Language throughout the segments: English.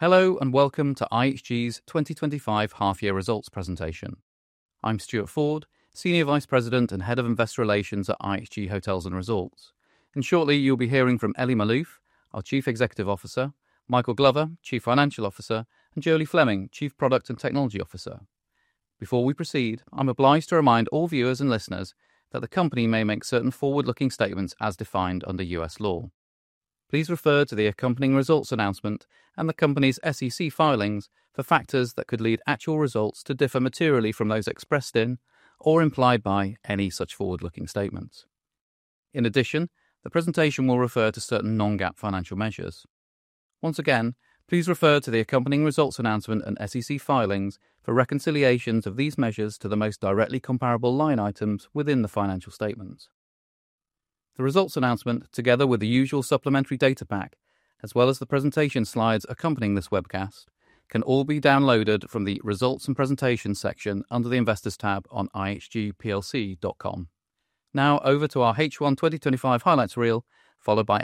Hello and welcome to IHG's 2025 half-year results presentation. I'm Stuart Ford, Senior Vice President and Head of Investor Relations at IHG Hotels & Resorts, and shortly you'll be hearing from Elie Maalouf, our Chief Executive Officer, Michael Glover, Chief Financial Officer, and Jolie Fleming, Chief Product and Technology Officer. Before we proceed, I'm obliged to remind all viewers and listeners that the company may make certain forward-looking statements as defined under U.S. law. Please refer to the accompanying results announcement and the company's SEC filings for factors that could lead actual results to differ materially from those expressed in or implied by any such forward-looking statements. In addition, the presentation will refer to certain non-GAAP financial measures. Once again, please refer to the accompanying results announcement and SEC filings for reconciliations of these measures to the most directly comparable line items within the financial statements. The results announcement, together with the usual supplementary data pack, as well as the presentation slides accompanying this webcast, can all be downloaded from the results and presentations section under the investors tab on ihgplc.com. Now over to our H1 2025 highlights reel, followed by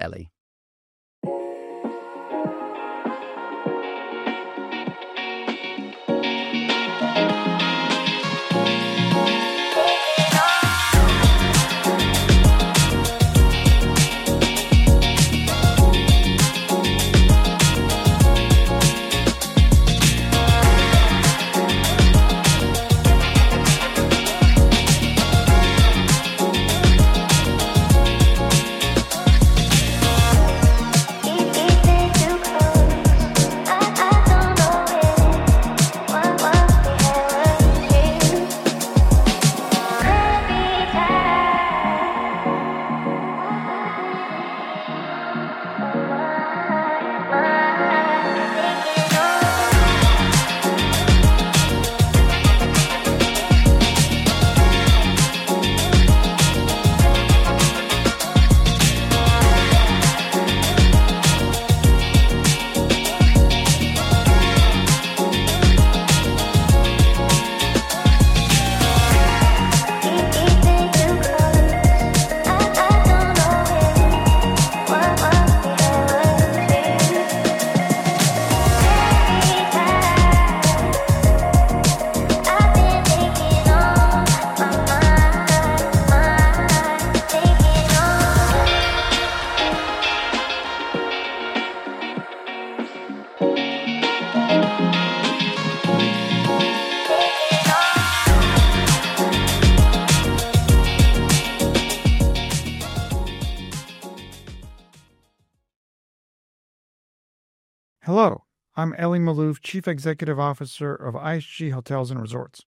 Elie. Hello, I'm Elie Maalouf, Chief Executive Officer of IHG Hotels & Resorts.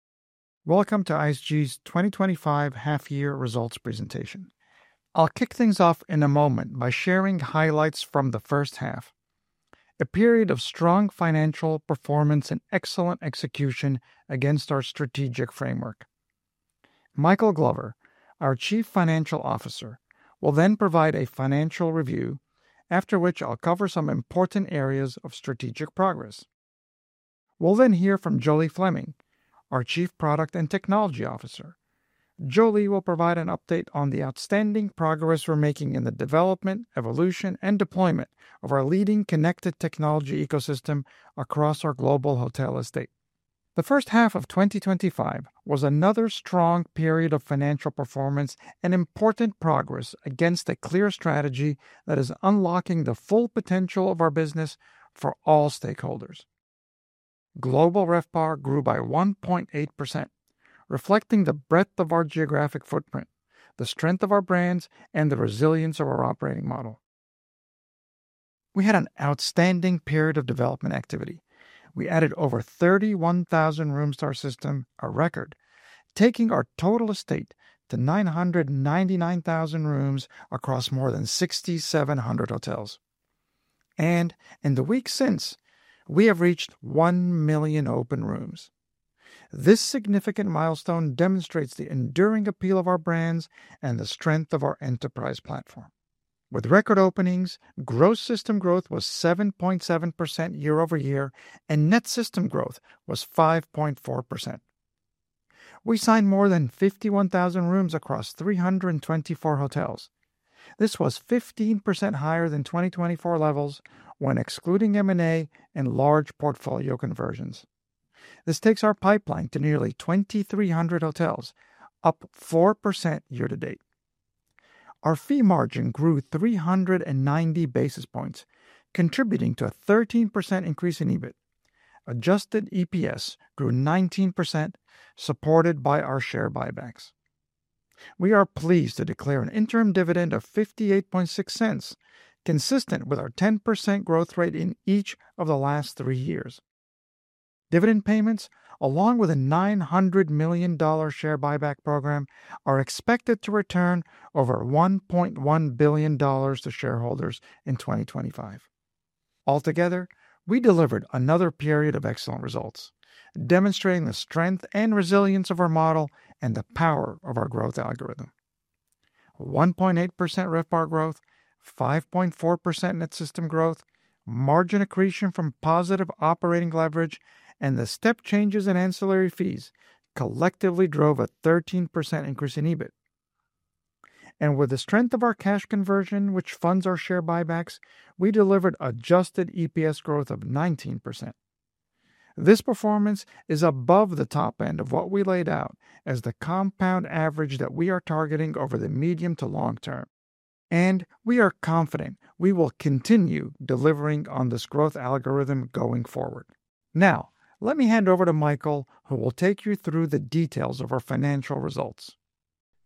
Welcome to IHG's 2025 half-year results presentation. I'll kick things off in a moment by sharing highlights from the first half: a period of strong financial performance and excellent execution against our strategic framework. Michael Glover, our Chief Financial Officer, will then provide a financial review, after which I'll cover some important areas of strategic progress. We'll then hear from Jolie Fleming, our Chief Product and Technology Officer. Jolie will provide an update on the outstanding progress we're making in the development, evolution, and deployment of our leading connected technology ecosystem across our global hotel estate. The first half of 2025 was another strong period of financial performance and important progress against a clear strategy that is unlocking the full potential of our business for all stakeholders. Global RevPAR grew by 1.8%, reflecting the breadth of our geographic footprint, the strength of our brands, and the resilience of our operating model. We had an outstanding period of development activity. We added over 31,000 rooms to our system, a record, taking our total estate to 999,000 rooms across more than 6,700 hotels. In the weeks since, we have reached 1 million open rooms. This significant milestone demonstrates the enduring appeal of our brands and the strength of our enterprise platform. With record openings, gross system growth was 7.7% year-over-year, and net system growth was 5.4%. We signed more than 51,000 rooms across 324 hotels. This was 15% higher than 2024 levels when excluding M&A and large portfolio conversions. This takes our pipeline to nearly 2,300 hotels, up 4% year to date. Our fee margin grew 390 basis points, contributing to a 13% increase in EBIT. Adjusted EPS grew 19%, supported by our share buybacks. We are pleased to declare an interim dividend of $0.586, consistent with our 10% growth rate in each of the last three years. Dividend payments, along with a $900 million share buyback program, are expected to return over $1.1 billion to shareholders in 2025. Altogether, we delivered another period of excellent results, demonstrating the strength and resilience of our model and the power of our growth algorithm. 1.8% RevPAR growth, 5.4% net system growth, margin accretion from positive operating leverage, and the step changes in ancillary fees collectively drove a 13% increase in EBIT. With the strength of our cash conversion, which funds our share buybacks, we delivered adjusted EPS growth of 19%. This performance is above the top end of what we laid out as the compound average that we are targeting over the medium to long term. We are confident we will continue delivering on this growth algorithm going forward. Now, let me hand over to Michael, who will take you through the details of our financial results.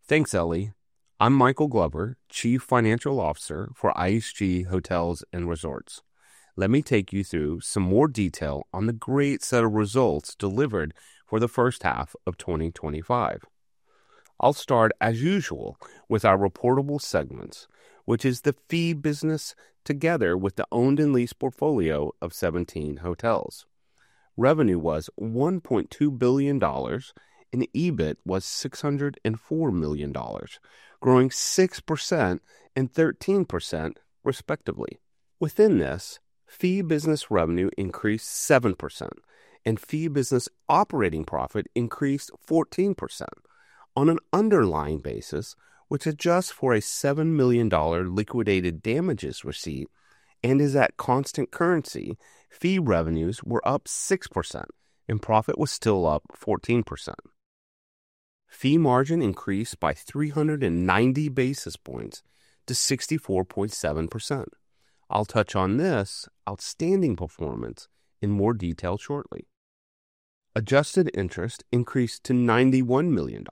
Thanks, Elie. I'm Michael Glover, Chief Financial Officer for IHG Hotels & Resorts. Let me take you through some more detail on the great set of results delivered for the first half of 2025. I'll start, as usual, with our reportable segments, which is the fee business together with the owned and leased portfolio of 17 hotels. Revenue was $1.2 billion, and EBIT was $604 million, growing 6% and 13% respectively. Within this, fee business revenue increased 7%, and fee business operating profit increased 14%. On an underlying basis, which adjusts for a $7 million liquidated damages received and is at constant currency, fee revenues were up 6%, and profit was still up 14%. Fee margin increased by 390 basis points to 64.7%. I'll touch on this outstanding performance in more detail shortly. Adjusted interest increased to $91 million,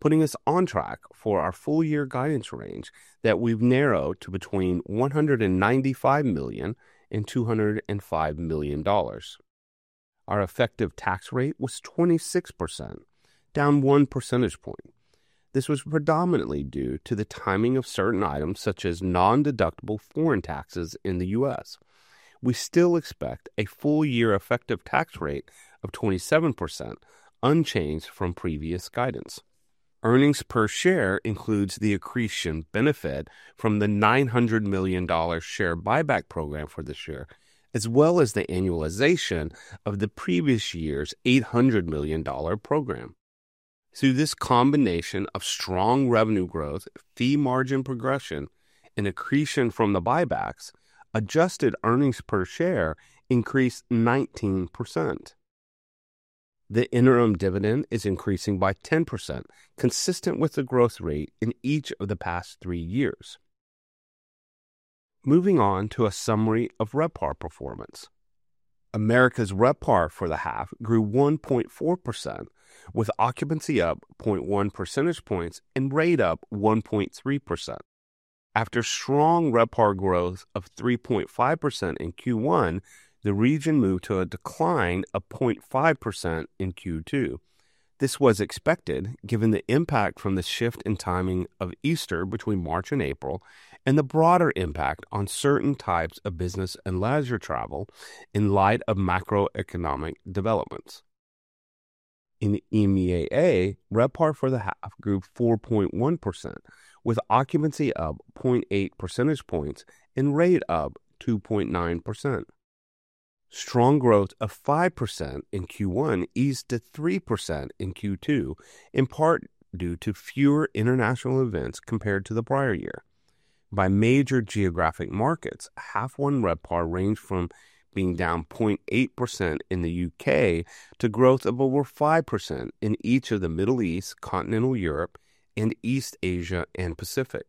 putting us on track for our full-year guidance range that we've narrowed to between $195 million and $205 million. Our effective tax rate was 26%, down 1 percentage point. This was predominantly due to the timing of certain items, such as non-deductible foreign taxes in the U.S. We still expect a full-year effective tax rate of 27%, unchanged from previous guidance. Earnings per share include the accretion benefit from the $900 million share buyback program for this year, as well as the annualization of the previous year's $800 million program. Through this combination of strong revenue growth, fee margin progression, and accretion from the buybacks, adjusted earnings per share increased 19%. The interim dividend is increasing by 10%, consistent with the growth rate in each of the past three years. Moving on to a summary of RevPAR performance. America's RevPAR for the half grew 1.4%, with occupancy up 0.1 percentage points and rate up 1.3%. After strong RevPAR growth of 3.5% in Q1, the region moved to a decline of 0.5% in Q2. This was expected given the impact from the shift in timing of Easter between March and April, and the broader impact on certain types of business and leisure travel in light of macroeconomic developments. In the EMEAA, RevPAR for the half grew 4.1%, with occupancy up 0.8 percentage points and rate up 2.9%. Strong growth of 5% in Q1 eased to 3% in Q2, in part due to fewer international events compared to the prior year. By major geographic markets, half-one RevPAR ranged from being down 0.8% in the U.K. to growth of over 5% in each of the Middle East, continental Europe, and East Asia and Pacific.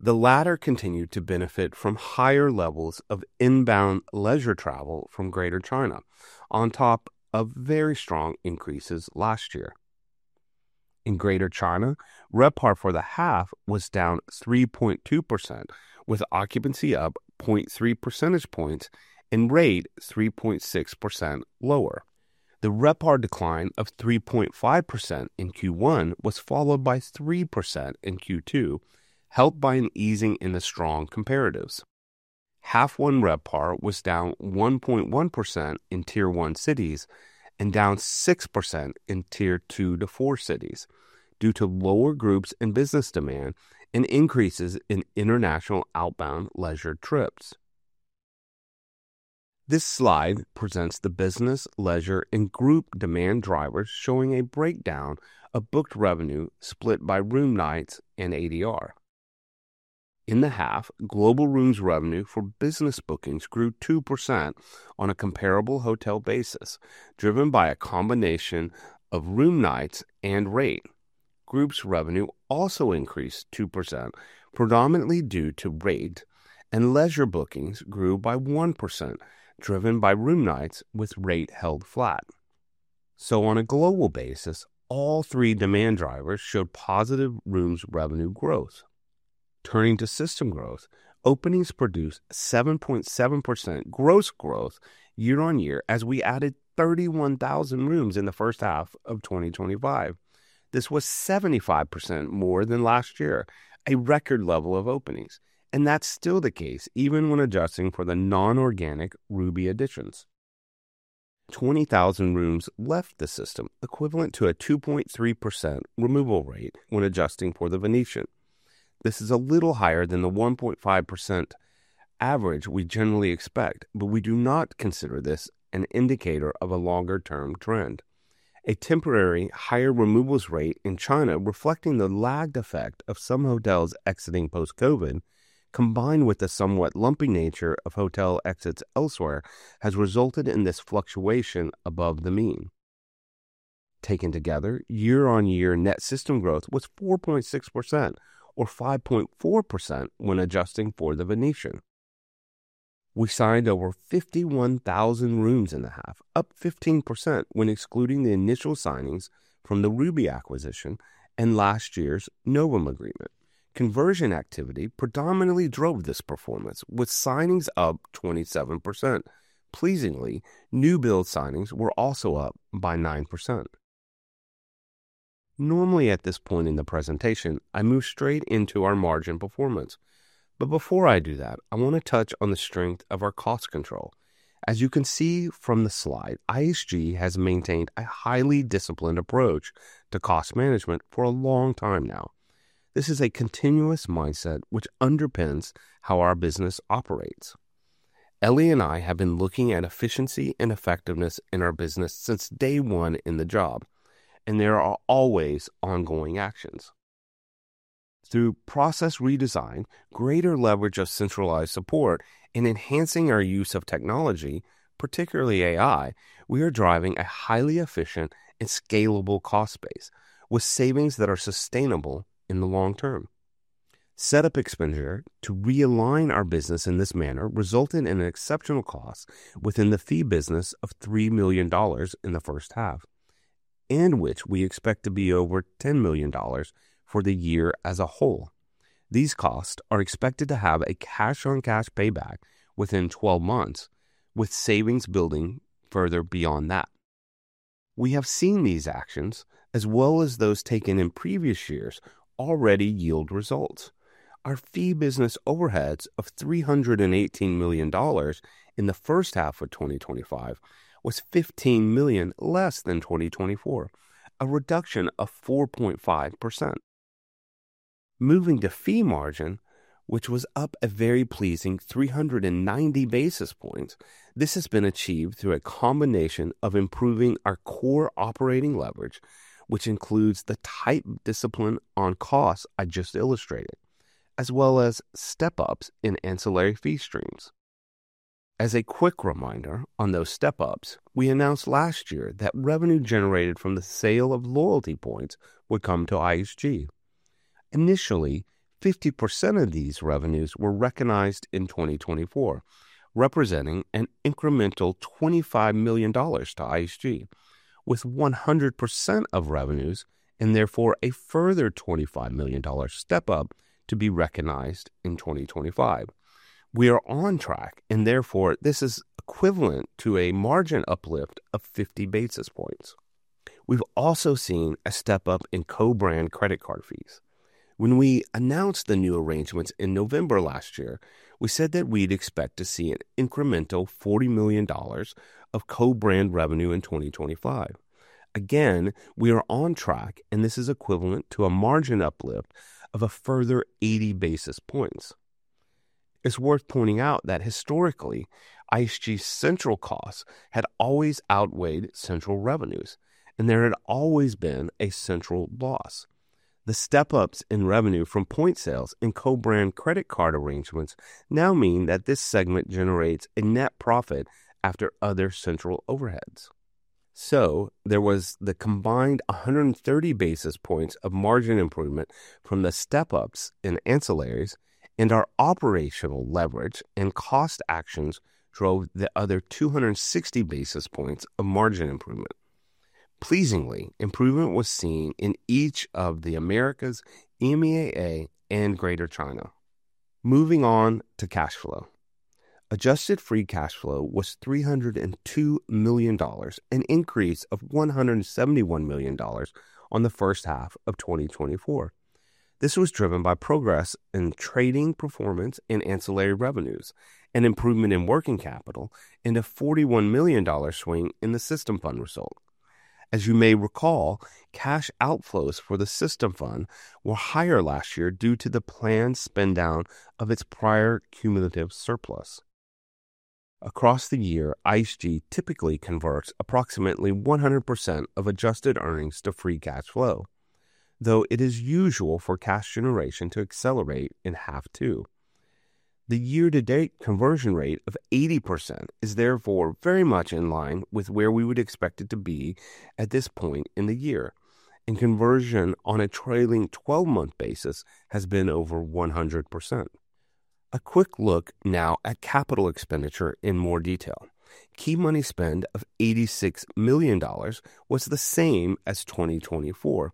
The latter continued to benefit from higher levels of inbound leisure travel from Greater China, on top of very strong increases last year. In Greater China, RevPAR for the half was down 3.2%, with occupancy up 0.3 percentage points and rate 3.6% lower. The RevPAR decline of 3.5% in Q1 was followed by 3% in Q2, helped by an easing in the strong comparatives. Half-one RevPAR was down 1.1% in Tier 1 cities and down 6% in Tier 2-Tier 4 cities, due to lower groups and business demand and increases in international outbound leisure trips. This slide presents the business, leisure, and group demand drivers, showing a breakdown of booked revenue split by room nights and ADR. In the half, global rooms revenue for business bookings grew 2% on a comparable hotel basis, driven by a combination of room nights and rate. Groups revenue also increased 2%, predominantly due to rate, and leisure bookings grew by 1%, driven by room nights with rate held flat. On a global basis, all three demand drivers showed positive rooms revenue growth. Turning to system growth, openings produced 7.7% gross growth year-on-year as we added 31,000 rooms in the first half of 2025. This was 75% more than last year, a record level of openings, and that's still the case even when adjusting for the non-organic Ruby additions. 20,000 rooms left the system, equivalent to a 2.3% removal rate when adjusting for the Venetian. This is a little higher than the 1.5% average we generally expect, but we do not consider this an indicator of a longer-term trend. A temporary higher removals rate in China, reflecting the lagged effect of some hotels exiting post-COVID, combined with the somewhat lumpy nature of hotel exits elsewhere, has resulted in this fluctuation above the mean. Taken together, year-on-year net system growth was 4.6% or 5.4% when adjusting for the Venetian. We signed over 51,000 rooms in the half, up 15% when excluding the initial signings from the Ruby acquisition and last year's NOVUM agreement. Conversion activity predominantly drove this performance, with signings up 27%. Pleasingly, new build signings were also up by 9%. Normally, at this point in the presentation, I move straight into our margin performance. Before I do that, I want to touch on the strength of our cost control. As you can see from the slide, IHG has maintained a highly disciplined approach to cost management for a long time now. This is a continuous mindset which underpins how our business operates. Elie and I have been looking at efficiency and effectiveness in our business since day one in the job, and there are always ongoing actions. Through process redesign, greater leverage of centralized support, and enhancing our use of technology, particularly AI, we are driving a highly efficient and scalable cost space, with savings that are sustainable in the long term. Setup expenditure to realign our business in this manner resulted in an exceptional cost within the fee business of $3 million in the first half, and which we expect to be over $10 million for the year as a whole. These costs are expected to have a cash-on-cash payback within 12 months, with savings building further beyond that. We have seen these actions, as well as those taken in previous years, already yield results. Our fee business overheads of $318 million in the first half of 2025 was $15 million less than 2024, a reduction of 4.5%. Moving to fee margin, which was up a very pleasing 390 basis points, this has been achieved through a combination of improving our core operating leverage, which includes the tight discipline on costs I just illustrated, as well as step-ups in ancillary fee streams. As a quick reminder on those step-ups, we announced last year that revenue generated from the sale of loyalty points would come to IHG. Initially, 50% of these revenues were recognized in 2024, representing an incremental $25 million to IHG, with 100% of revenues and therefore a further $25 million step-up to be recognized in 2025. We are on track, and therefore this is equivalent to a margin uplift of 50 basis points. We've also seen a step-up in co-brand credit card fees. When we announced the new arrangements in November last year, we said that we'd expect to see an incremental $40 million of co-brand revenue in 2025. Again, we are on track, and this is equivalent to a margin uplift of a further 80 basis points. It's worth pointing out that historically, IHG's central costs had always outweighed central revenues, and there had always been a central loss. The step-ups in revenue from point sales and co-brand credit card arrangements now mean that this segment generates a net profit after other central overheads. There was the combined 130 basis points of margin improvement from the step-ups and ancillaries, and our operational leverage and cost actions drove the other 260 basis points of margin improvement. Pleasingly, improvement was seen in each of the Americas, EMEAA, and Greater China. Moving on to cash flow. Adjusted free cash flow was $302 million, an increase of $171 million on the first half of 2024. This was driven by progress in trading performance in ancillary revenues, an improvement in working capital, and a $41 million swing in the system fund result. As you may recall, cash outflows for the system fund were higher last year due to the planned spend-down of its prior cumulative surplus. Across the year, IHG typically converts approximately 100% of adjusted earnings to free cash flow, though it is usual for cash generation to accelerate in half two. The year-to-date conversion rate of 80% is therefore very much in line with where we would expect it to be at this point in the year, and conversion on a trailing 12-month basis has been over 100%. A quick look now at capital expenditure in more detail. Key money spend of $86 million was the same as 2024.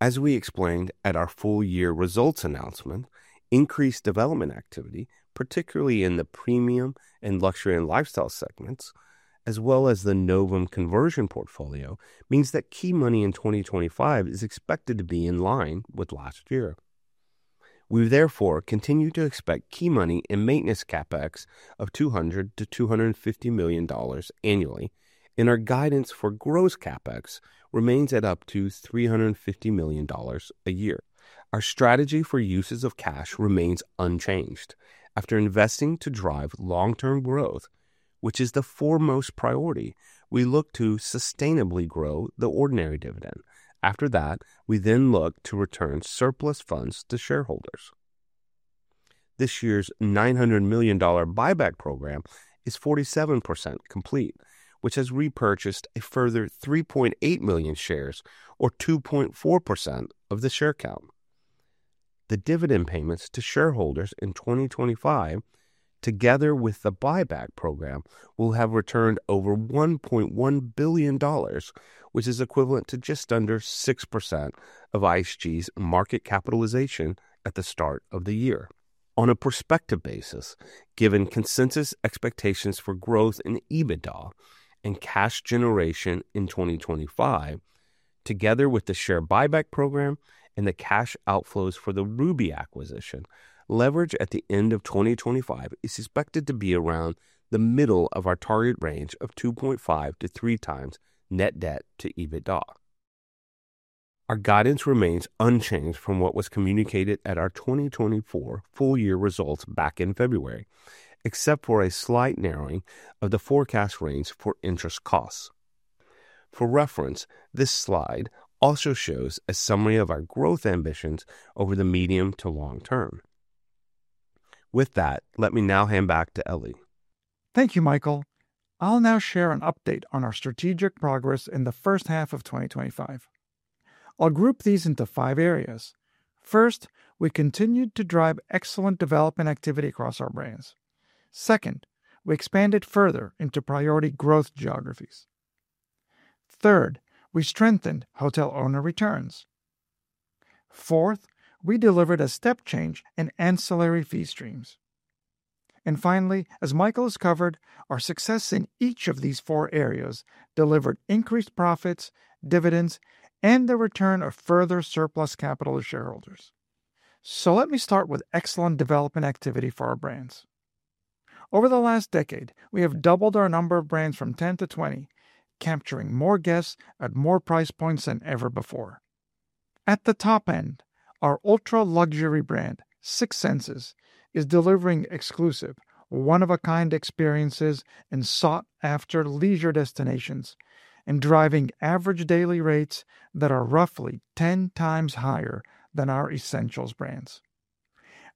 As we explained at our full-year results announcement, increased development activity, particularly in the premium and luxury and lifestyle segments, as well as the NOVUM conversion portfolio, means that key money in 2025 is expected to be in line with last year. We've therefore continued to expect key money and maintenance CapEx of $200 million-$250 million annually, and our guidance for gross CapEx remains at up to $350 million a year. Our strategy for uses of cash remains unchanged. After investing to drive long-term growth, which is the foremost priority, we look to sustainably grow the ordinary dividend. After that, we then look to return surplus funds to shareholders. This year's $900 million buyback program is 47% complete, which has repurchased a further 3.8 million shares, or 2.4% of the share count. The dividend payments to shareholders in 2025, together with the buyback program, will have returned over $1.1 billion, which is equivalent to just under 6% of IHG's market capitalization at the start of the year. On a prospective basis, given consensus expectations for growth in EBITDA and cash generation in 2025, together with the share buyback program and the cash outflows for the Ruby acquisition, leverage at the end of 2025 is expected to be around the middle of our target range of 2.5x-3x net debt to EBITDA. Our guidance remains unchanged from what was communicated at our 2024 full-year results back in February, except for a slight narrowing of the forecast range for interest costs. For reference, this slide also shows a summary of our growth ambitions over the medium to long term. With that, let me now hand back to Elie. Thank you, Michael. I'll now share an update on our strategic progress in the first half of 2025. I'll group these into five areas. First, we continued to drive excellent development activity across our brands. Second, we expanded further into priority growth geographies. Third, we strengthened hotel owner returns. Fourth, we delivered a step change in ancillary fee streams. Finally, as Michael has covered, our success in each of these four areas delivered increased profits, dividends, and the return of further surplus capital to shareholders. Let me start with excellent development activity for our brands. Over the last decade, we have doubled our number of brands from 10 to 20, capturing more guests at more price points than ever before. At the top end, our ultra-luxury brand, Six Senses, is delivering exclusive, one-of-a-kind experiences in sought-after leisure destinations and driving average daily rates that are roughly 10x higher than our Essentials brands.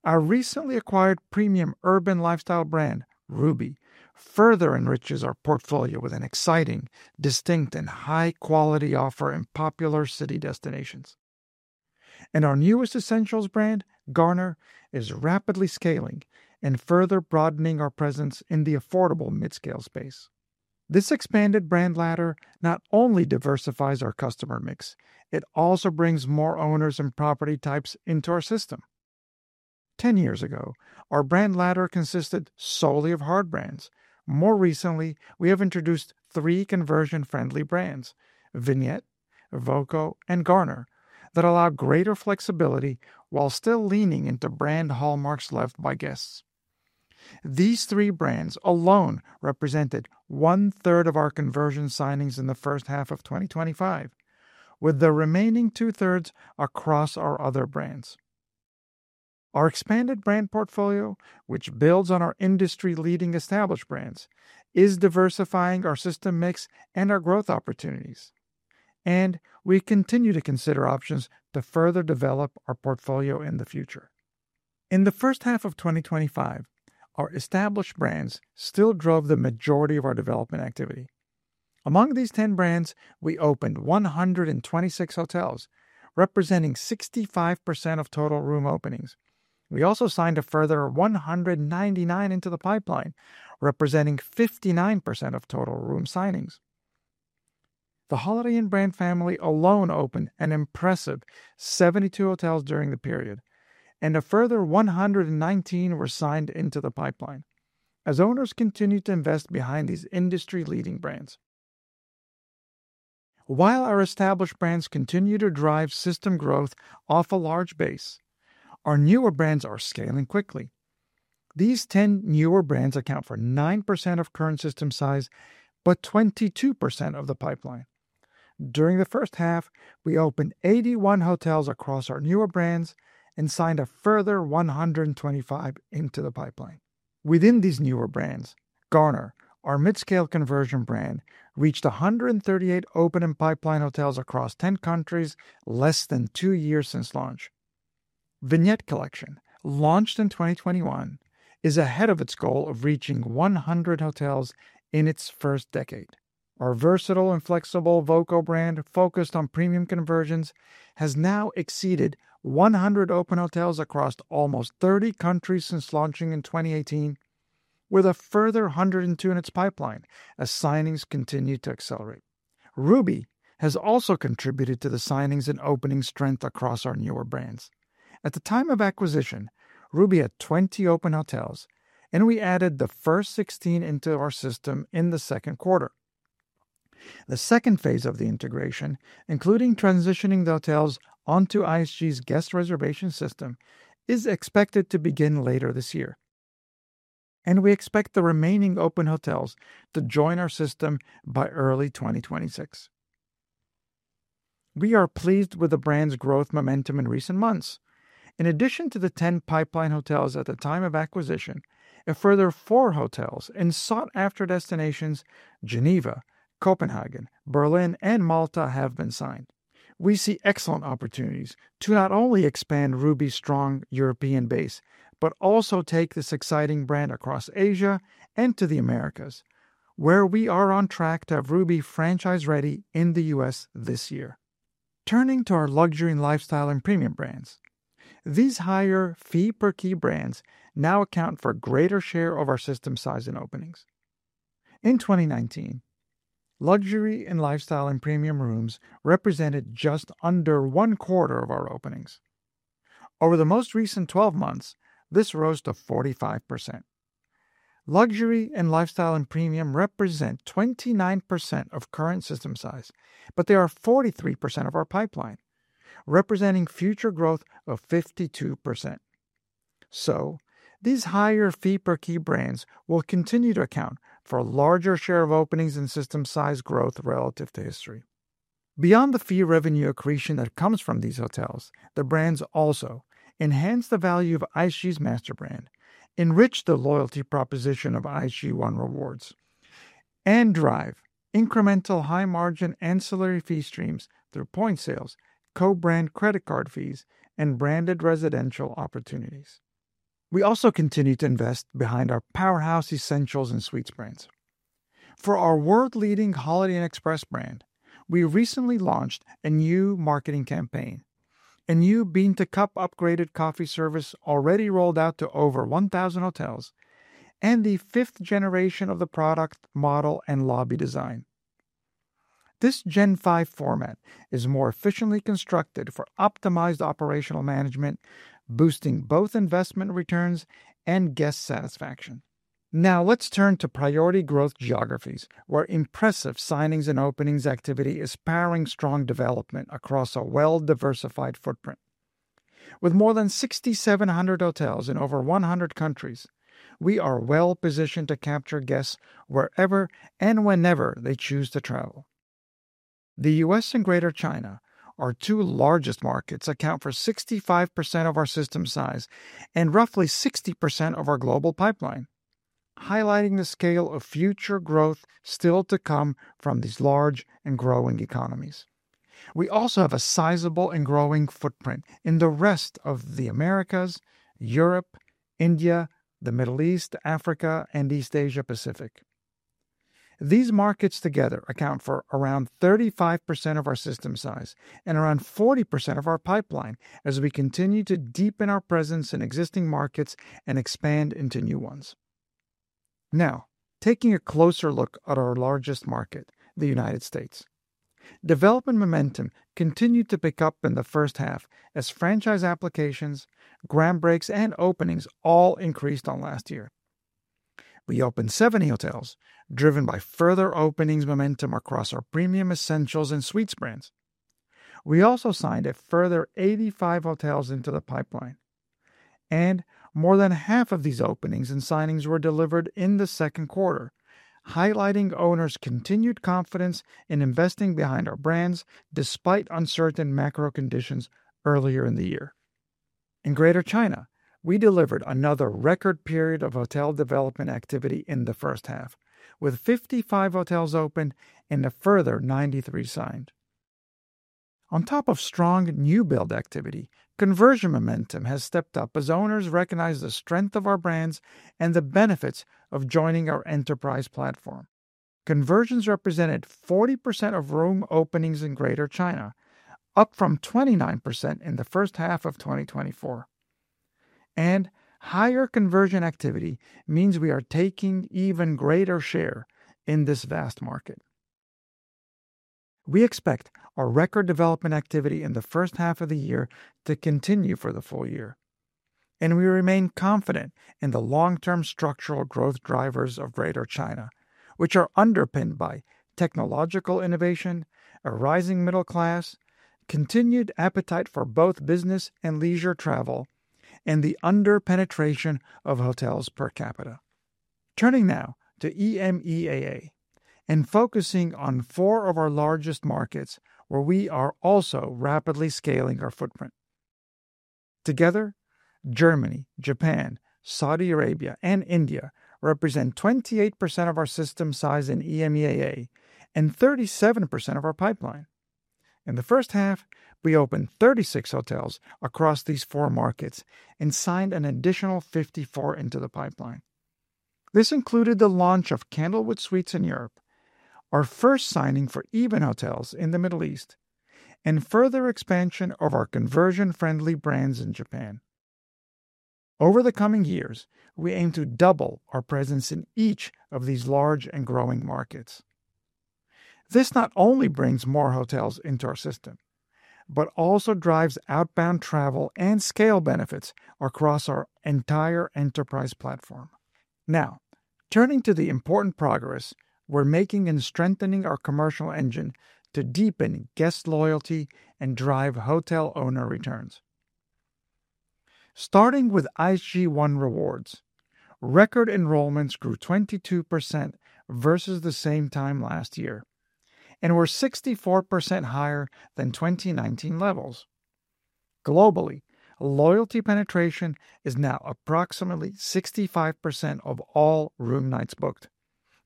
Our recently acquired premium urban lifestyle brand, Ruby, further enriches our portfolio with an exciting, distinct, and high-quality offer in popular city destinations. Our newest Essentials brand, Garner, is rapidly scaling and further broadening our presence in the affordable mid-scale space. This expanded brand ladder not only diversifies our customer mix, it also brings more owners and property types into our system. Ten years ago, our brand ladder consisted solely of hard brands. More recently, we have introduced three conversion-friendly brands: Vignette, voco, and Garner that allow greater flexibility while still leaning into brand hallmarks left by guests. These three brands alone represented 1/3 of our conversion signings in the first half of 2025, with the remaining 2/3 across our other brands. Our expanded brand portfolio, which builds on our industry-leading established brands, is diversifying our system mix and our growth opportunities. We continue to consider options to further develop our portfolio in the future. In the first half of 2025, our established brands still drove the majority of our development activity. Among these 10 brands, we opened 126 hotels, representing 65% of total room openings. We also signed a further 199 into the pipeline, representing 59% of total room signings. The Holiday Inn brand family alone opened an impressive 72 hotels during the period, and a further 119 were signed into the pipeline as owners continue to invest behind these industry-leading brands. While our established brands continue to drive system growth off a large base, our newer brands are scaling quickly. These 10 newer brands account for 9% of current system size, but 22% of the pipeline. During the first half, we opened 81 hotels across our newer brands and signed a further 125 into the pipeline. Within these newer brands, Garner, our mid-scale conversion brand, reached 138 open and pipeline hotels across 10 countries less than two years since launch. Vignette Collection, launched in 2021, is ahead of its goal of reaching 100 hotels in its first decade. Our versatile and flexible voco brand, focused on premium conversions, has now exceeded 100 open hotels across almost 30 countries since launching in 2018, with a further 102 in its pipeline as signings continue to accelerate. Ruby has also contributed to the signings and opening strength across our newer brands. At the time of acquisition, Ruby had 20 open hotels, and we added the first 16 into our system in the second quarter. The second phase of the integration, including transitioning the hotels onto IHG's guest reservation system, is expected to begin later this year. We expect the remaining open hotels to join our system by early 2026. We are pleased with the brand's growth momentum in recent months. In addition to the 10 pipeline hotels at the time of acquisition, a further four hotels in sought-after destinations: Geneva, Copenhagen, Berlin, and Malta have been signed. We see excellent opportunities to not only expand Ruby's strong European base, but also take this exciting brand across Asia and to the Americas, where we are on track to have Ruby franchise-ready in the U.S. this year. Turning to our luxury and lifestyle and premium brands, these higher fee-per-key brands now account for a greater share of our system size and openings. In 2019, luxury and lifestyle and premium rooms represented just under one quarter of our openings. Over the most recent 12 months, this rose to 45%. Luxury and lifestyle and premium represent 29% of current system size, but they are 43% of our pipeline, representing future growth of 52%. These higher fee-per-key brands will continue to account for a larger share of openings and system size growth relative to history. Beyond the fee revenue accretion that comes from these hotels, the brands also enhance the value of IHG's masterbrand, enrich the loyalty proposition of IHG One Rewards, and drive incremental high-margin ancillary fee streams through point sales, co-brand credit card fees, and branded residential opportunities. We also continue to invest behind our powerhouse Essentials and Suites brands. For our world-leading Holiday Inn Express brand, we recently launched a new marketing campaign, a new bean-to-cup upgraded coffee service already rolled out to over 1,000 hotels, and the fifth generation of the product, model, and lobby design. This Gen 5 format is more efficiently constructed for optimized operational management, boosting both investment returns and guest satisfaction. Now, let's turn to priority growth geographies, where impressive signings and openings activity is powering strong development across a well-diversified footprint. With more than 6,700 hotels in over 100 countries, we are well-positioned to capture guests wherever and whenever they choose to travel. The U.S. and Greater China, our two largest markets, account for 65% of our system size and roughly 60% of our global pipeline, highlighting the scale of future growth still to come from these large and growing economies. We also have a sizable and growing footprint in the rest of the Americas, Europe, India, the Middle East, Africa, and East Asia-Pacific. These markets together account for around 35% of our system size and around 40% of our pipeline as we continue to deepen our presence in existing markets and expand into new ones. Now, taking a closer look at our largest market, the United States, development momentum continued to pick up in the first half as franchise applications, groundbreaks, and openings all increased on last year. We opened 70 hotels, driven by further openings momentum across our premium Essentials and Suites brands. We also signed a further 85 hotels into the pipeline, and more than half of these openings and signings were delivered in the second quarter, highlighting owners' continued confidence in investing behind our brands despite uncertain macro conditions earlier in the year. In Greater China, we delivered another record period of hotel development activity in the first half, with 55 hotels opened and a further 93 signed. On top of strong new build activity, conversion momentum has stepped up as owners recognize the strength of our brands and the benefits of joining our enterprise platform. Conversions represented 40% of room openings in Greater China, up from 29% in the first half of 2024. Higher conversion activity means we are taking even greater share in this vast market. We expect our record development activity in the first half of the year to continue for the full year, and we remain confident in the long-term structural growth drivers of Greater China, which are underpinned by technological innovation, a rising middle class, continued appetite for both business and leisure travel, and the underpenetration of hotels per capita. Turning now to EMEAA and focusing on four of our largest markets, where we are also rapidly scaling our footprint. Together, Germany, Japan, Saudi Arabia, and India represent 28% of our system size in EMEAA and 37% of our pipeline. In the first half, we opened 36 hotels across these four markets and signed an additional 54 into the pipeline. This included the launch of Candlewood Suites in Europe, our first signing for EVEN Hotels in the Middle East, and further expansion of our conversion-friendly brands in Japan. Over the coming years, we aim to double our presence in each of these large and growing markets. This not only brings more hotels into our system, but also drives outbound travel and scale benefits across our entire enterprise platform. Now, turning to the important progress we're making in strengthening our commercial engine to deepen guest loyalty and drive hotel owner returns. Starting with IHG One Rewards, record enrollments grew 22% versus the same time last year, and were 64% higher than 2019 levels. Globally, loyalty penetration is now approximately 65% of all room nights booked,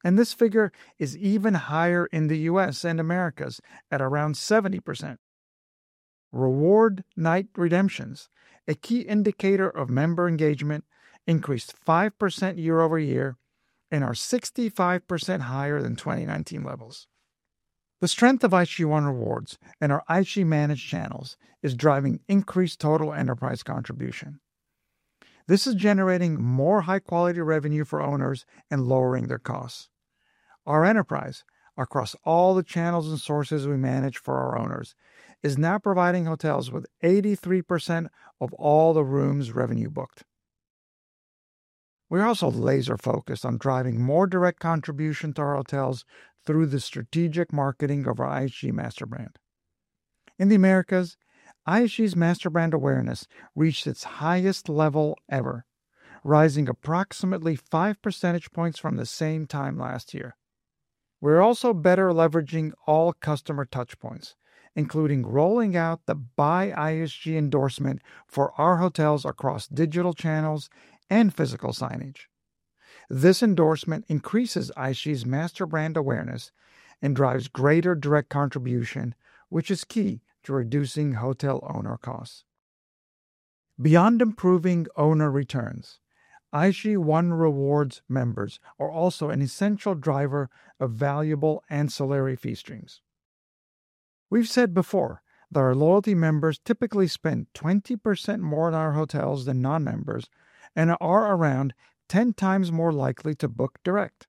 and this figure is even higher in the U.S. and Americas at around 70%. Reward night redemptions, a key indicator of member engagement, increased 5% year-over-year and are 65% higher than 2019 levels. The strength of IHG One Rewards and our IHG-managed channels is driving increased total enterprise contribution. This is generating more high-quality revenue for owners and lowering their costs. Our enterprise, across all the channels and sources we manage for our owners, is now providing hotels with 83% of all the rooms revenue booked. We are also laser-focused on driving more direct contribution to our hotels through the strategic marketing of our IHG masterbrand. In the Americas, IHG's masterbrand awareness reached its highest level ever, rising approximately 5 percentage points from the same time last year. We're also better leveraging all customer touchpoints, including rolling out the buy IHG endorsement for our hotels across digital channels and physical signage. This endorsement increases IHG's masterbrand awareness and drives greater direct contribution, which is key to reducing hotel owner costs. Beyond improving owner returns, IHG One Rewards members are also an essential driver of valuable ancillary fee streams. We've said before that our loyalty members typically spend 20% more in our hotels than non-members and are around 10x more likely to book direct.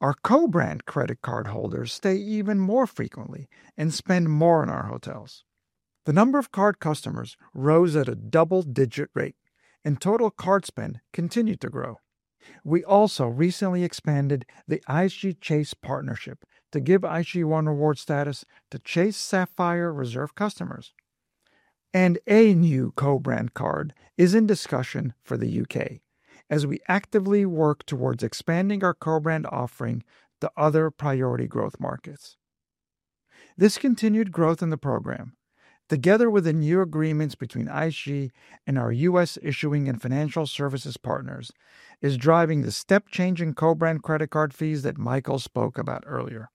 Our co-brand credit card holders stay even more frequently and spend more in our hotels. The number of card customers rose at a double-digit rate, and total card spend continued to grow. We also recently expanded the IHG Chase partnership to give IHG One Rewards status to Chase Sapphire Reserve customers. A new co-brand card is in discussion for the U.K., as we actively work towards expanding our co-brand offering to other priority growth markets. This continued growth in the program, together with the new agreements between IHG and our U.S. issuing and financial services partners, is driving the step-changing co-brand credit card fees that Michael spoke about earlier.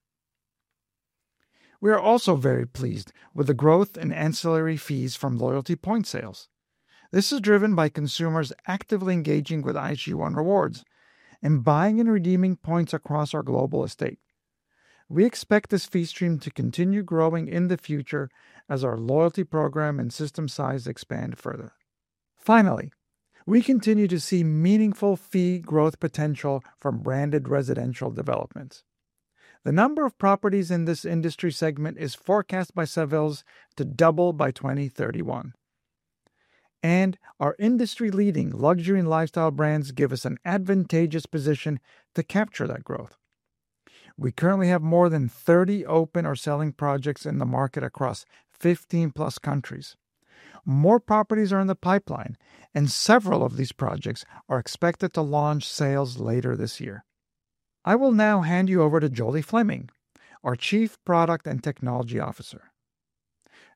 We are also very pleased with the growth in ancillary fees from loyalty point sales. This is driven by consumers actively engaging with IHG One Rewards and buying and redeeming points across our global estate. We expect this fee stream to continue growing in the future as our loyalty program and system size expand further. Finally, we continue to see meaningful fee growth potential from branded residential developments. The number of properties in this industry segment is forecast by Saville to double by 2031. Our industry-leading luxury and lifestyle brands give us an advantageous position to capture that growth. We currently have more than 30 open or selling projects in the market across 15+ countries. More properties are in the pipeline, and several of these projects are expected to launch sales later this year. I will now hand you over to Jolie Fleming, our Chief Product and Technology Officer.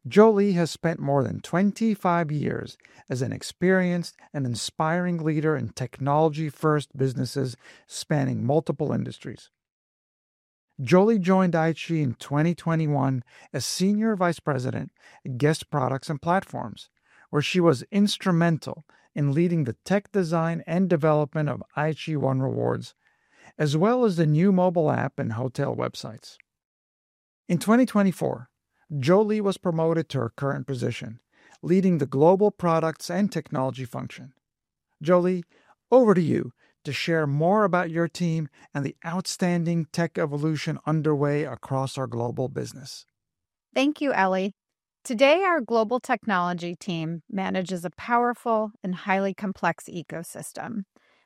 Jolie has spent more than 25 years as an experienced and inspiring leader in technology-first businesses spanning multiple industries. Jolie joined IHG in 2021 as Senior Vice President, Guest Products and Platforms, where she was instrumental in leading the tech design and development of IHG One Rewards, as well as the new mobile app and hotel websites. In 2024, Jolie was promoted to her current position, leading the global products and technology function. Jolie, over to you to share more about your team and the outstanding tech evolution underway across our global business. Thank you, Elie. Today, our global technology team manages a powerful and highly complex ecosystem.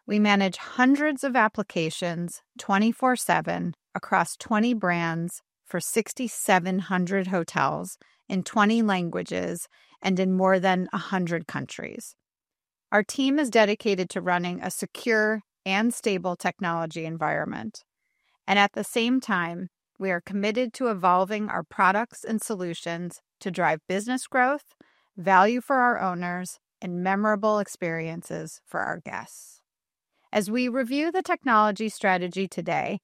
We manage hundreds of applications 24/7 across 20 brands for 6,700 hotels in 20 languages and in more than 100 countries. Our team is dedicated to running a secure and stable technology environment. At the same time, we are committed to evolving our products and solutions to drive business growth, value for our owners, and memorable experiences for our guests. As we review the technology strategy today,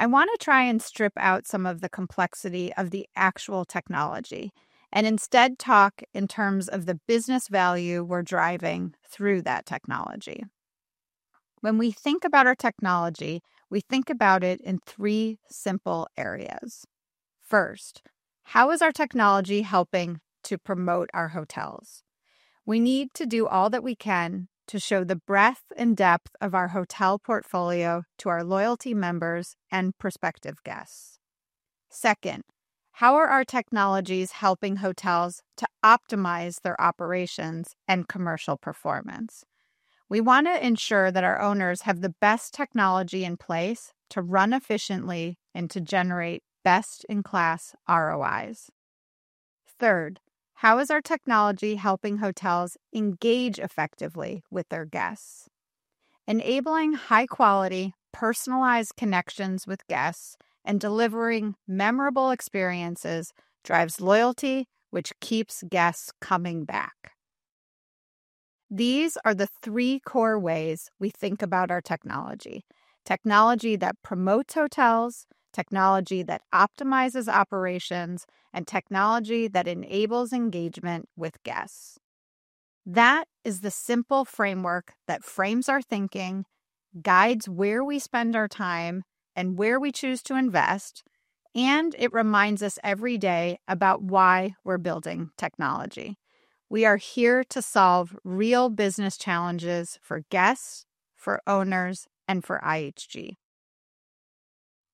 I want to try and strip out some of the complexity of the actual technology and instead talk in terms of the business value we're driving through that technology. When we think about our technology, we think about it in three simple areas. First, how is our technology helping to promote our hotels? We need to do all that we can to show the breadth and depth of our hotel portfolio to our loyalty members and prospective guests. Second, how are our technologies helping hotels to optimize their operations and commercial performance? We want to ensure that our owners have the best technology in place to run efficiently and to generate best-in-class ROIs. Third, how is our technology helping hotels engage effectively with their guests? Enabling high-quality, personalized connections with guests and delivering memorable experiences drives loyalty, which keeps guests coming back. These are the three core ways we think about our technology: technology that promotes hotels, technology that optimizes operations, and technology that enables engagement with guests. That is the simple framework that frames our thinking, guides where we spend our time, and where we choose to invest, and it reminds us every day about why we're building technology. We are here to solve real business challenges for guests, for owners, and for IHG.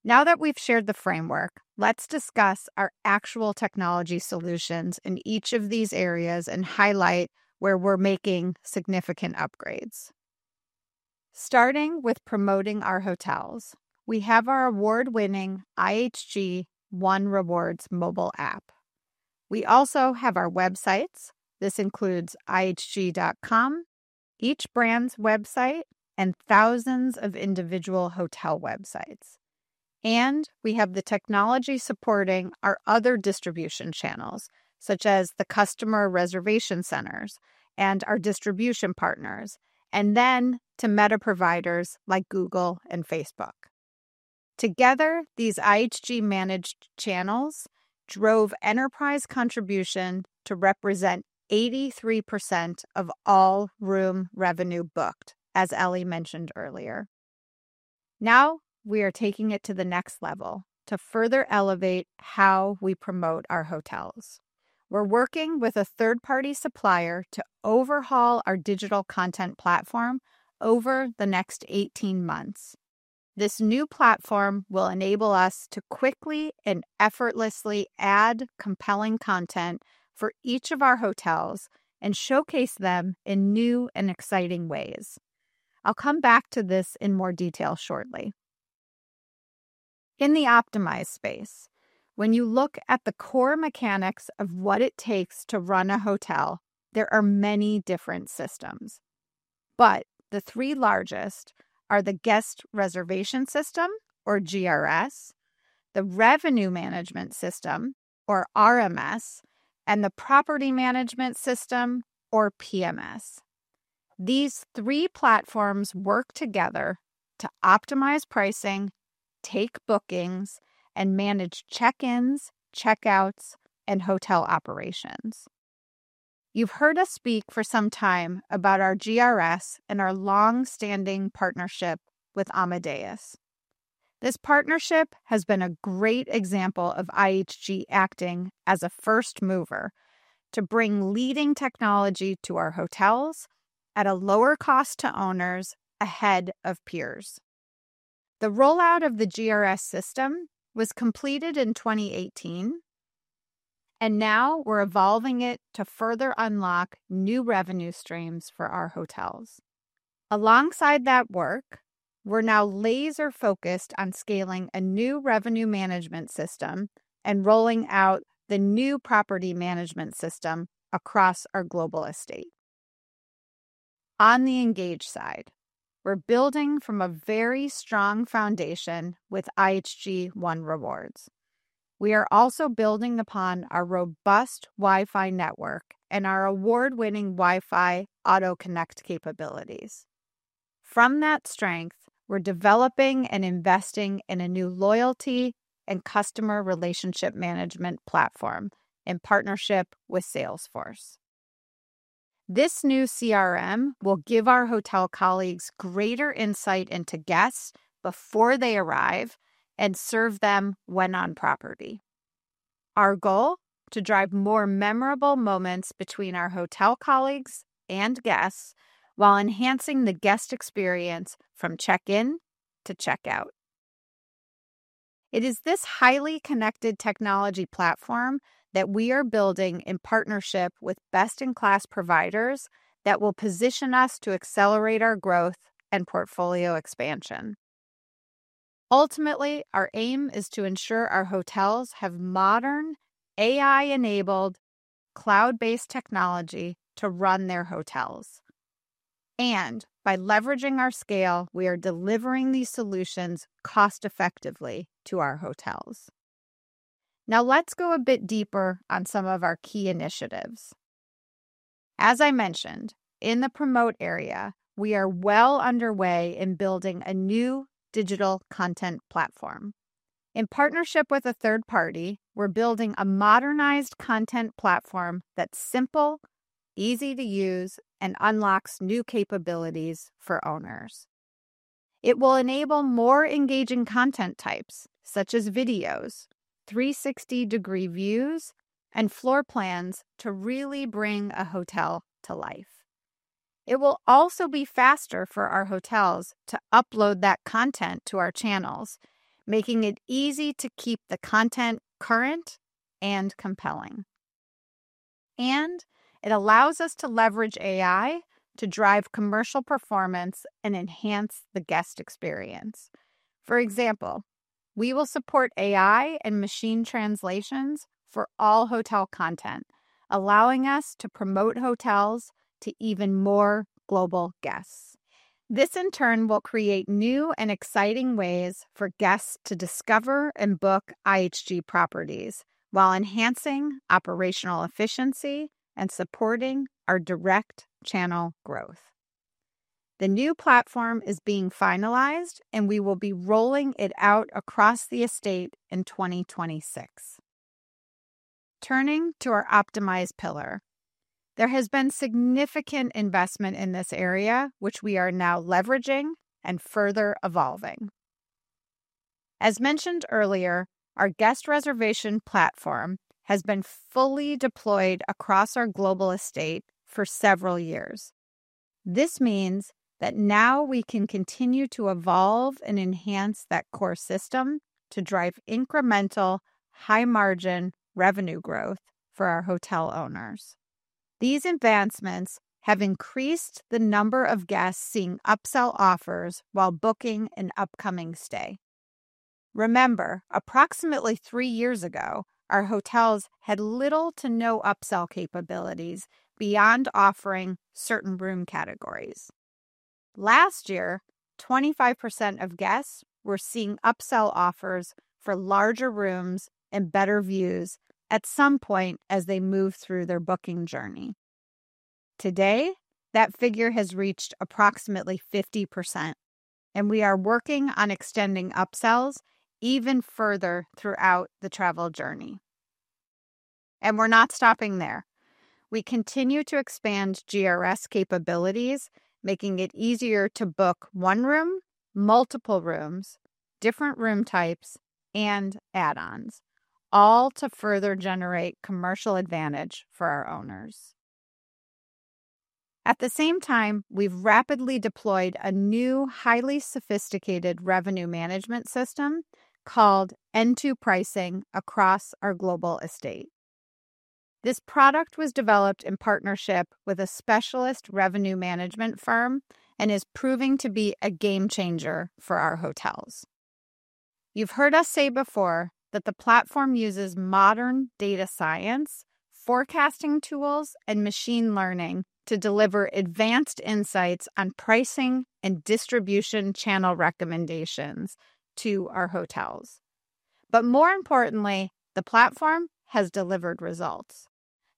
Now that we've shared the framework, let's discuss our actual technology solutions in each of these areas and highlight where we're making significant upgrades. Starting with promoting our hotels, we have our award-winning IHG One Rewards mobile app. We also have our websites. This includes ihg.com, each brand's website, and thousands of individual hotel websites. We have the technology supporting our other distribution channels, such as the customer reservation centers and our distribution partners, and to meta providers like Google and Facebook. Together, these IHG-managed channels drove enterprise contribution to represent 83% of all room revenue booked, as Elie mentioned earlier. Now we are taking it to the next level to further elevate how we promote our hotels. We are working with a third-party supplier to overhaul our digital content platform over the next 18 months. This new platform will enable us to quickly and effortlessly add compelling content for each of our hotels and showcase them in new and exciting ways. I will come back to this in more detail shortly. In the optimized space, when you look at the core mechanics of what it takes to run a hotel, there are many different systems. The three largest are the Guest Reservation System, or GRS, the Revenue Management System, or RMS, and the Property Management System, or PMS. These three platforms work together to optimize pricing, take bookings, and manage check-ins, check-outs, and hotel operations. You have heard us speak for some time about our GRS and our long-standing partnership with Amadeus. This partnership has been a great example of IHG acting as a first mover to bring leading technology to our hotels at a lower cost to owners, ahead of peers. The rollout of the GRS system was completed in 2018, and now we are evolving it to further unlock new revenue streams for our hotels. Alongside that work, we are now laser-focused on scaling a new revenue management system and rolling out the new property management system across our global estate. On the engage side, we are building from a very strong foundation with IHG One Rewards. We are also building upon our robust Wi-Fi network and our award-winning Wi-Fi auto-connect capabilities. From that strength, we are developing and investing in a new loyalty and customer relationship management platform in partnership with Salesforce. This new CRM will give our hotel colleagues greater insight into guests before they arrive and serve them when on property. Our goal is to drive more memorable moments between our hotel colleagues and guests while enhancing the guest experience from check-in to check-out. It is this highly connected technology platform that we are building in partnership with best-in-class providers that will position us to accelerate our growth and portfolio expansion. Ultimately, our aim is to ensure our hotels have modern, AI-enabled, cloud-based technology to run their hotels. By leveraging our scale, we are delivering these solutions cost-effectively to our hotels. Now let's go a bit deeper on some of our key initiatives. As I mentioned, in the promote area, we are well underway in building a new digital content platform. In partnership with a third party, we're building a modernized content platform that's simple, easy to use, and unlocks new capabilities for owners. It will enable more engaging content types, such as videos, 360-degree views, and floor plans to really bring a hotel to life. It will also be faster for our hotels to upload that content to our channels, making it easy to keep the content current and compelling. It allows us to leverage AI to drive commercial performance and enhance the guest experience. For example, we will support AI and machine translations for all hotel content, allowing us to promote hotels to even more global guests. This in turn will create new and exciting ways for guests to discover and book IHG properties, while enhancing operational efficiency and supporting our direct channel growth. The new platform is being finalized, and we will be rolling it out across the estate in 2026. Turning to our optimized pillar, there has been significant investment in this area, which we are now leveraging and further evolving. As mentioned earlier, our guest reservation platform has been fully deployed across our global estate for several years. This means that now we can continue to evolve and enhance that core system to drive incremental, high-margin revenue growth for our hotel owners. These advancements have increased the number of guests seeing upsell offers while booking an upcoming stay. Remember, approximately three years ago, our hotels had little to no upsell capabilities beyond offering certain room categories. Last year, 25% of guests were seeing upsell offers for larger rooms and better views at some point as they move through their booking journey. Today, that figure has reached approximately 50%, and we are working on extending upsells even further throughout the travel journey. We are not stopping there. We continue to expand GRS capabilities, making it easier to book one room, multiple rooms, different room types, and add-ons, all to further generate commercial advantage for our owners. At the same time, we've rapidly deployed a new, highly sophisticated revenue management system called N2Pricing across our global estate. This product was developed in partnership with a specialist revenue management firm and is proving to be a game changer for our hotels. You've heard us say before that the platform uses modern data science, forecasting tools, and machine learning to deliver advanced insights on pricing and distribution channel recommendations to our hotels. More importantly, the platform has delivered results.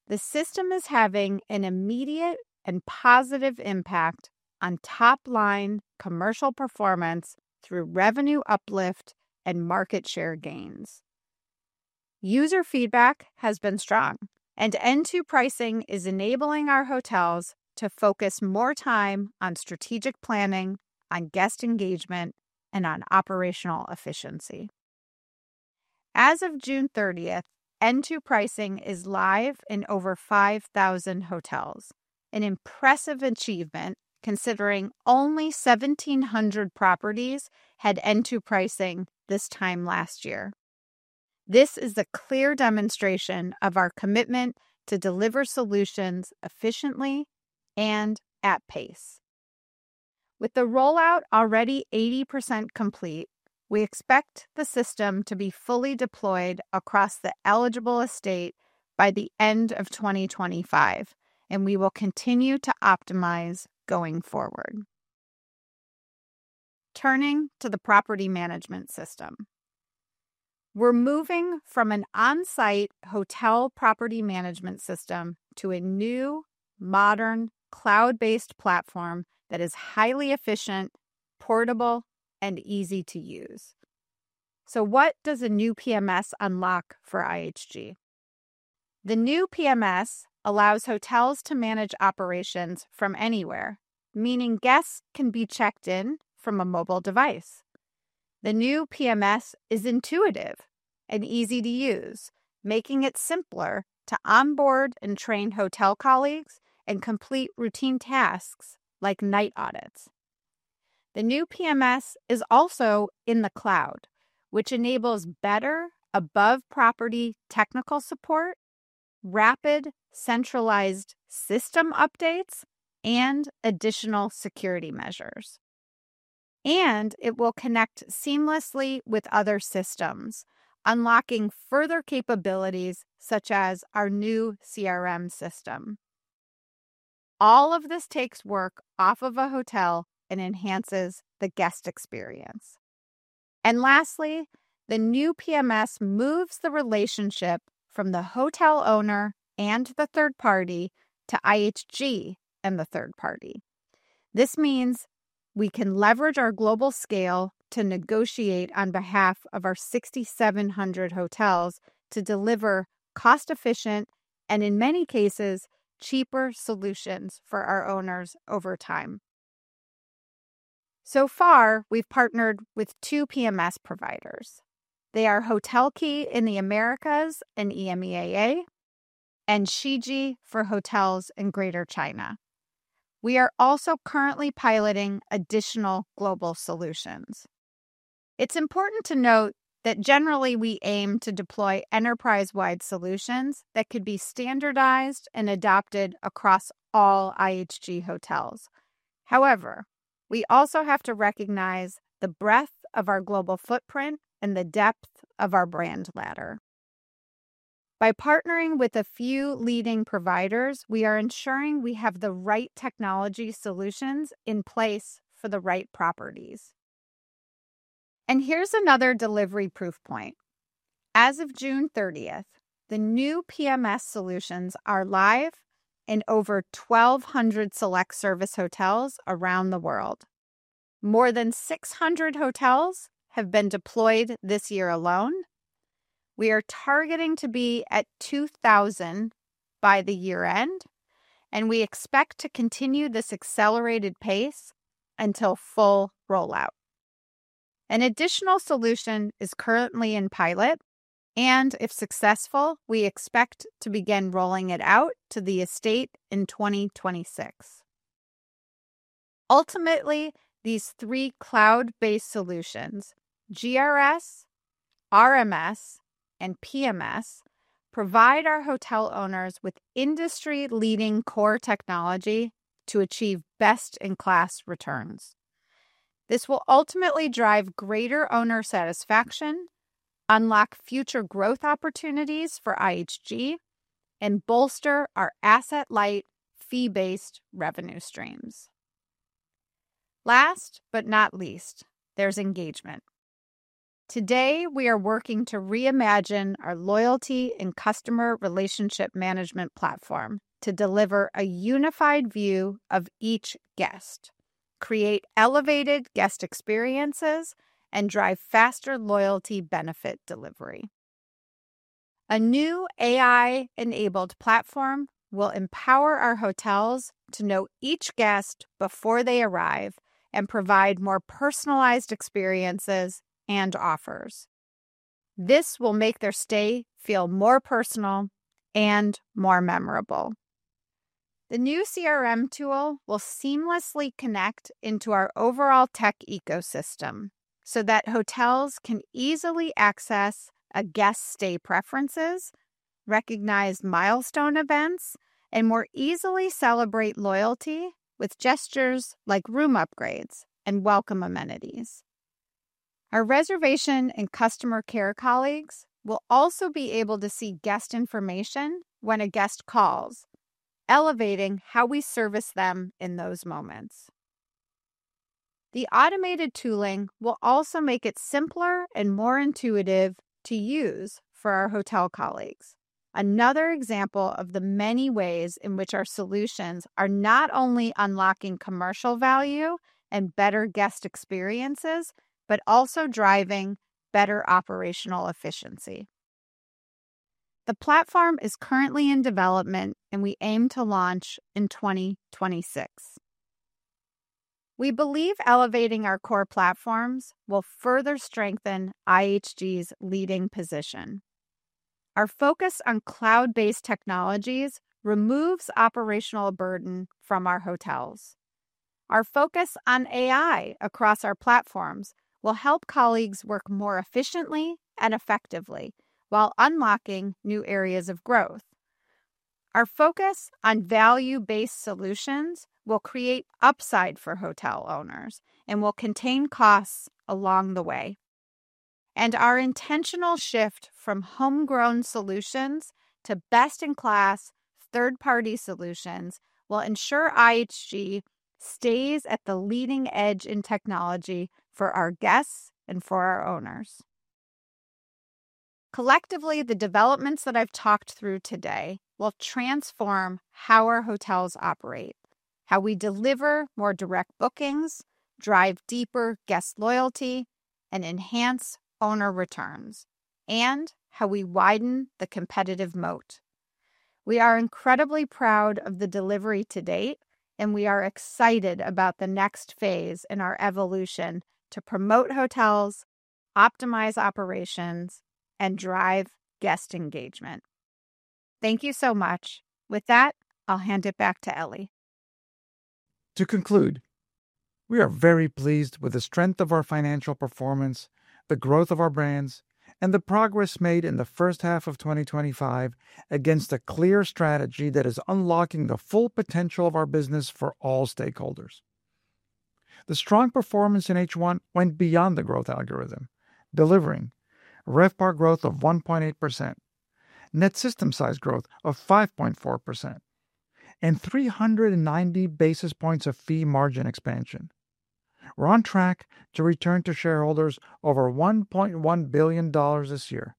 The system is having an immediate and positive impact on top-line commercial performance through revenue uplift and market share gains. User feedback has been strong, and N2Pricing is enabling our hotels to focus more time on strategic planning, on guest engagement, and on operational efficiency. As of June 30th, N2Pricing is live in over 5,000 hotels, an impressive achievement considering only 1,700 properties had N2Pricing this time last year. This is a clear demonstration of our commitment to deliver solutions efficiently and at pace. With the rollout already 80% complete, we expect the system to be fully deployed across the eligible estate by the end of 2025, and we will continue to optimize going forward. Turning to the property management system, we're moving from an on-site hotel property management system to a new, modern, cloud-based platform that is highly efficient, portable, and easy to use. What does a new PMS unlock for IHG? The new PMS allows hotels to manage operations from anywhere, meaning guests can be checked in from a mobile device. The new PMS is intuitive and easy to use, making it simpler to onboard and train hotel colleagues and complete routine tasks like night audits. The new PMS is also in the cloud, which enables better above-property technical support, rapid centralized system updates, and additional security measures. It will connect seamlessly with other systems, unlocking further capabilities such as our new CRM system. All of this takes work off of a hotel and enhances the guest experience. Lastly, the new PMS moves the relationship from the hotel owner and the third party to IHG and the third party. This means we can leverage our global scale to negotiate on behalf of our 6,700 hotels to deliver cost-efficient and, in many cases, cheaper solutions for our owners over time. So far, we've partnered with two PMS providers. They are HotelKey in the Americas and EMEAA, and Shiji for hotels in Greater China. We are also currently piloting additional global solutions. It's important to note that generally we aim to deploy enterprise-wide solutions that could be standardized and adopted across all IHG hotels. However, we also have to recognize the breadth of our global footprint and the depth of our brand ladder. By partnering with a few leading providers, we are ensuring we have the right technology solutions in place for the right properties. Here's another delivery proof point. As of June 30th, the new PMS solutions are live in over 1,200 select service hotels around the world. More than 600 hotels have been deployed this year alone. We are targeting to be at 2,000 by the year-end, and we expect to continue this accelerated pace until full rollout. An additional solution is currently in pilot, and if successful, we expect to begin rolling it out to the estate in 2026. Ultimately, these three cloud-based solutions, GRS, RMS, and PMS, provide our hotel owners with industry-leading core technology to achieve best-in-class returns. This will ultimately drive greater owner satisfaction, unlock future growth opportunities for IHG, and bolster our asset-light, fee-based revenue streams. Last but not least, there's engagement. Today, we are working to reimagine our loyalty and customer relationship management platform to deliver a unified view of each guest, create elevated guest experiences, and drive faster loyalty benefit delivery. A new AI-enabled CRM platform will empower our hotels to know each guest before they arrive and provide more personalized experiences and offers. This will make their stay feel more personal and more memorable. The new CRM tool will seamlessly connect into our overall tech ecosystem so that hotels can easily access a guest's stay preferences, recognize milestone events, and more easily celebrate loyalty with gestures like room upgrades and welcome amenities. Our reservation and customer care colleagues will also be able to see guest information when a guest calls, elevating how we service them in those moments. The automated tooling will also make it simpler and more intuitive to use for our hotel colleagues, another example of the many ways in which our solutions are not only unlocking commercial value and better guest experiences, but also driving better operational efficiency. The platform is currently in development, and we aim to launch in 2026. We believe elevating our core platforms will further strengthen IHG's leading position. Our focus on cloud-based technologies removes operational burden from our hotels. Our focus on AI across our platforms will help colleagues work more efficiently and effectively while unlocking new areas of growth. Our focus on value-based solutions will create upside for hotel owners and will contain costs along the way. Our intentional shift from homegrown solutions to best-in-class third-party solutions will ensure IHG stays at the leading edge in technology for our guests and for our owners. Collectively, the developments that I've talked through today will transform how our hotels operate, how we deliver more direct bookings, drive deeper guest loyalty, and enhance owner returns, and how we widen the competitive moat. We are incredibly proud of the delivery to date, and we are excited about the next phase in our evolution to promote hotels, optimize operations, and drive guest engagement. Thank you so much. With that, I'll hand it back to Elie. To conclude, we are very pleased with the strength of our financial performance, the growth of our brands, and the progress made in the first half of 2025 against a clear strategy that is unlocking the full potential of our business for all stakeholders. The strong performance in H1 went beyond the growth algorithm, delivering RevPAR growth of 1.8%, net system size growth of 5.4%, and 390 basis points of fee margin expansion. We're on track to return to shareholders over $1.1 billion this year,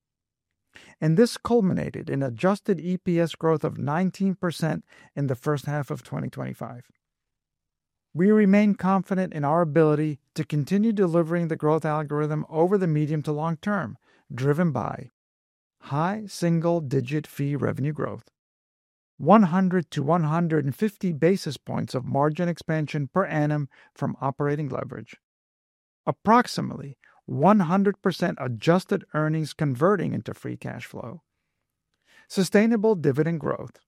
and this culminated in adjusted EPS growth of 19% in the first half of 2025. We remain confident in our ability to continue delivering the growth algorithm over the medium to long term, driven by high single-digit fee revenue growth, 100-150 basis points of margin expansion per annum from operating leverage, approximately 100% adjusted earnings converting into free cash flow, sustainable dividend growth,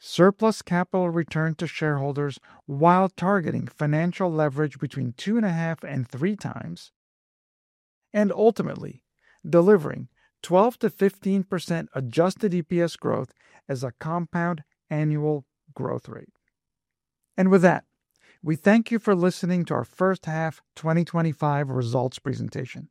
surplus capital return to shareholders while targeting financial leverage between 2.5x and 3x, and ultimately delivering 12%-15% adjusted EPS growth as a compound annual growth rate. We thank you for listening to our first half 2025 results presentation.